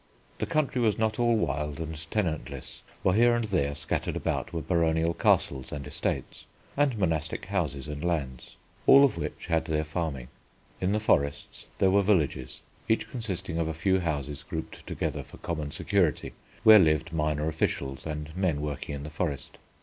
The country was not all wild and tenantless, for here and there, scattered about, were baronial castles and estates, and monastic houses and lands, all of which had their farming. In the forests there were villages each consisting of a few houses grouped together for common security, where lived minor officials and men working in the forest.